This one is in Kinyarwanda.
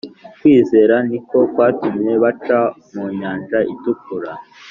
kwizera ni ko kwatumye baca mu nyanja itukura,